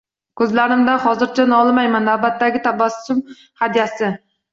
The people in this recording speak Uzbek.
Ko’zlarimdan hozircha nolimayman navbatdagi tabassum hadyasi.